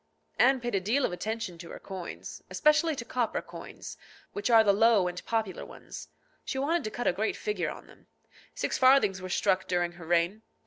Anne paid a deal of attention to her coins, especially to copper coins, which are the low and popular ones; she wanted to cut a great figure on them. Six farthings were struck during her reign.